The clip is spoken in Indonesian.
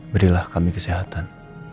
berilah kami kesehatan